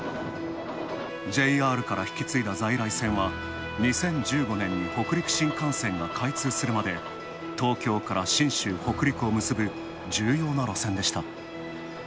ＪＲから引き継いだ在来線は２０１５年に北陸新幹線が開通するまで、東京から信州北陸を結ぶ、重要な路線でした。